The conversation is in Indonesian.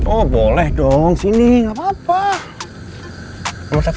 oh boleh dong sini gak apa apa